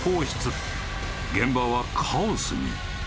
［現場はカオスに］